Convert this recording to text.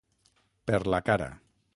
Per la cara.